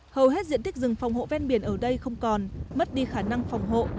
hầu hết diện tích rừng phòng hộ ven biển ở đây không còn mất đi khả năng phòng hộ